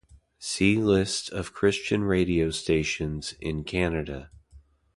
See List of Christian radio stations in Canada.